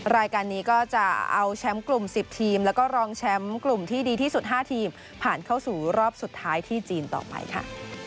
รายการนี้ก็จะเอาแชมป์กลุ่ม๑๐ทีมแล้วก็รองแชมป์กลุ่มที่ดีที่สุด๕ทีมผ่านเข้าสู่รอบสุดท้ายที่จีนต่อไปค่ะ